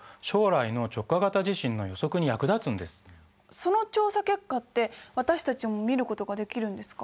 その調査結果って私たちも見ることができるんですか？